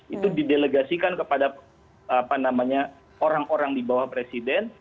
itu didelegasikan kepada orang orang di bawah presiden